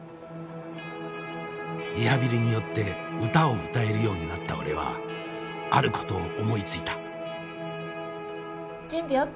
リハビリによって歌を歌えるようになった俺はあることを思いついた。